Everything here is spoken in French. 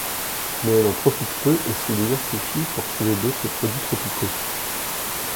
Mais elle en profite peu et se diversifie pour trouver d'autres produits tropicaux.